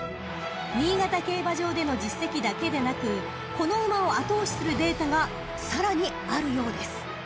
［新潟競馬場での実績だけでなくこの馬を後押しするデータがさらにあるようです］